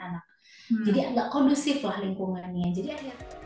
jadi nggak kondusif lah lingkungannya